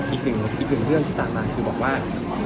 อีกหนึ่งเรื่องที่ผ่านมาคือบอกว่า